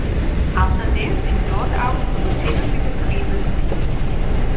Außerdem sind dort auch produzierende Betriebe zu finden.